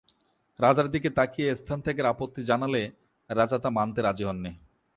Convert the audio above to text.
রাজার দিকে তাকিয়ে স্থান ত্যাগের আপত্তি জানালে রাজা তা মানতে রাজী হননি।